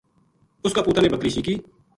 اس کا پُوتاں نے بکری شیکی